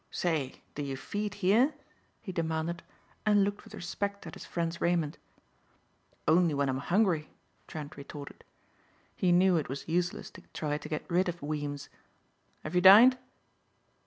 "Say, do you feed here?" he demanded and looked with respect at his friend's raiment. "Only when I'm hungry," Trent retorted. He knew it was useless to try to get rid of Weems. "Have you dined?"